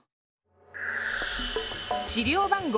資料番号